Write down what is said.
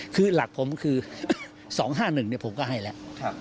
คือหลักผมคือ๒๕๑ผมก็ให้แล้ว